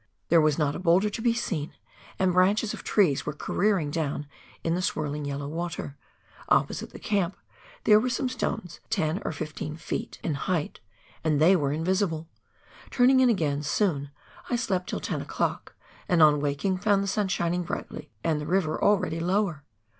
There was not a boulder to be seen, and branches of trees were careering down in the swirling yellow water ; opposite the camp, there were some stones 10 or 15 ft. in KAEAXGARUA EIVER. 185 height, and they were invisible. Turning in again soon, I slept till 10 o'clock, and on waking, found the sun shining brightly, and the river already lower.